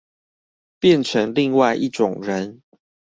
變成另外一種人